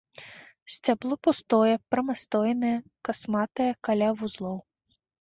Сцябло пустое, прамастойнае, касматае каля вузлоў.